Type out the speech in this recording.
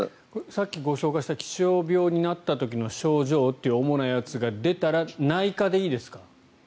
さっきご紹介した気象病になった時の症状という主なやつが出たら内科でいいですか？